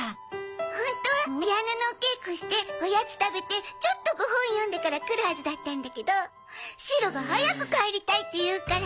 ホントはピアノのお稽古しておやつ食べてちょっとご本読んでから来るはずだったんだけどシロが早く帰りたいって言うから。